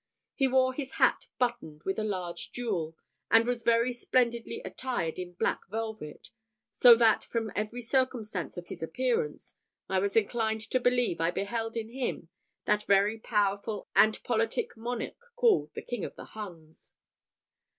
He wore his hat buttoned with a large jewel, and was very splendidly attired in black velvet; so that, from every circumstance of his appearance, I was inclined to believe I beheld in him that very powerful and politic monarch called the King of the Huns.